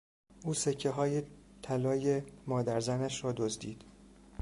او سکههای طلای مادرزنش را دزدید.